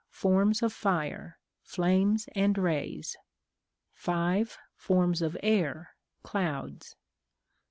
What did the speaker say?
Forms of Fire (Flames and Rays). 5. Forms of Air (Clouds).